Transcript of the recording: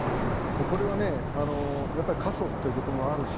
これは過疎ということもあるし